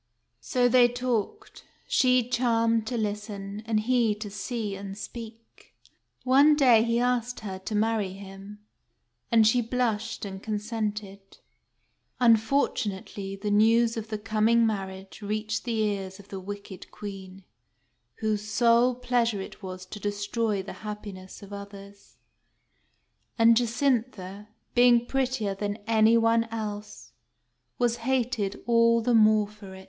So they talked, she charmed to listen, and he to see and speak. One day he asked her to marry him ; and she blushed, and consented. Unfortunately, the news of the coming marriage reached the ears of the wicked Queen, whose sole pleasure it was to destroy the happiness of others; and Jacintha, being prettier than any one else, was hated all the more for it.